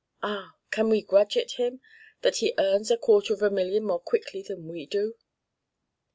Ah! Can we grudge it him, that he earns a quarter of a million more quickly than we do?